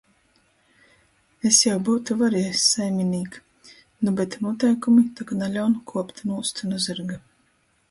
Es jau byutu variejs, saiminīk, nu bet nūteikumi tok naļaun kuopt nūst nu zyrga…